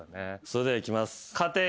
それではいきます。